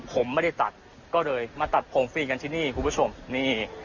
ผมไม่ได้ตัดก็เลยมาตัดผมฟรีกันที่นี่คุณผู้ชมนี่